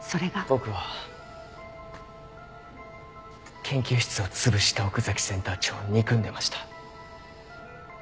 僕は研究室を潰した奥崎センター長を憎んでました。